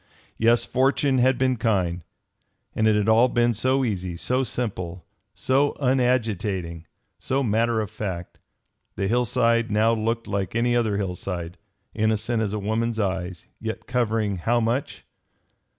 Yes, fortune had been kind. And it all had been so easy, so simple, so unagitating, so matter of fact! The hillside now looked like any other hillside, innocent as a woman's eyes, yet covering how much!